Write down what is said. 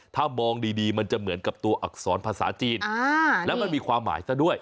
ถ้ามองดีมันจะเหมือนกับตัวอักษรภาษาจีนแล้วมันมีความหมายซะด้วย